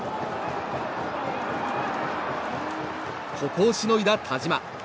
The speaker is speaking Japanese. ここをしのいだ田島。